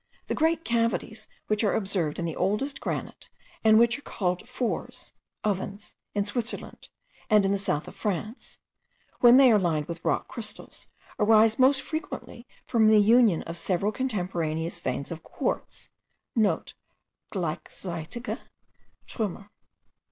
The great cavities which are observed in the oldest granite, and which are called fours (ovens) in Switzerland and in the south of France, when they are lined with rock crystals, arise most frequently from the union of several contemporaneous veins of quartz,* (* Gleichzeitige Trummer.